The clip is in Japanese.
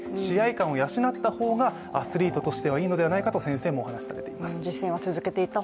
勘を養った方がアスリートとしてはいいのではないかと先生はお話されています。